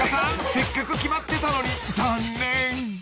せっかく決まってたのに残念］